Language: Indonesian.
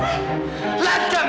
papa keterlaluan papa keterlaluan